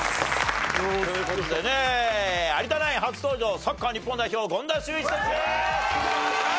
という事でね有田ナイン初登場サッカー日本代表権田修一選手です！